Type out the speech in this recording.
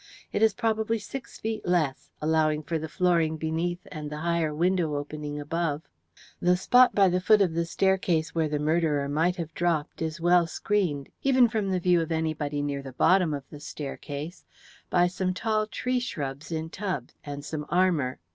It is probably six feet less, allowing for the flooring beneath and the higher window opening above. The spot by the foot of the staircase where the murderer might have dropped is well screened, even from the view of anybody near the bottom of the staircase, by some tall tree shrubs in tubs, and some armour.